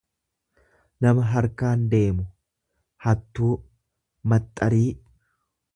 nama harkaan deemu, hattuu, maxxarii.